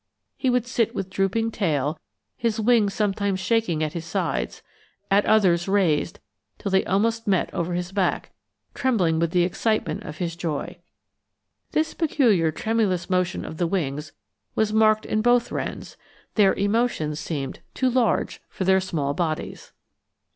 He would sit with drooping tail, his wings sometimes shaking at his sides, at others raised till they almost met over his back, trembling with the excitement of his joy. This peculiar tremulous motion of the wings was marked in both wrens; their emotions seemed too large for their small bodies.